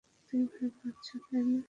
তুমি ভয় পাচ্ছ, তাই না?